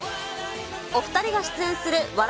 お２人が出演する笑